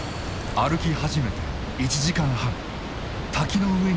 歩き始めて１時間半滝の上に出た。